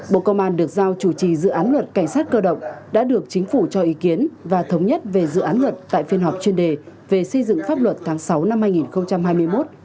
bộ công an được giao chủ trì dự án luật cảnh sát cơ động đã được chính phủ cho ý kiến và thống nhất về dự án luật tại phiên họp chuyên đề về xây dựng pháp luật tháng sáu năm hai nghìn hai mươi một